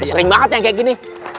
sering banget yang kayak gini